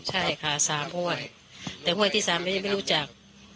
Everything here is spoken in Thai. ใช่ค่ะ๓ห้วยแต่ห้วยที่๓ไม่รู้จัก